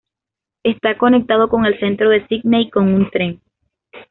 Está conectado con el Centro de Sídney con un tren.